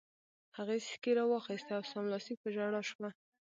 هغې سیکې را واخیستې او سملاسي په ژړا شوه